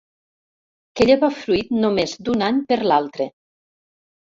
Que lleva fruit només d'un any per l'altre.